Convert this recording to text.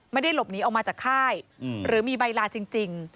ไม่ได้หลบหนีออกมาจากค่ายหรือมีใบลาจริง